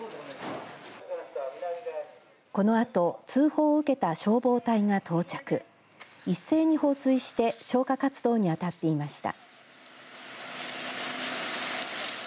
このあと通報を受けた消防隊が到着一斉に放水して消火活動に当たっていました。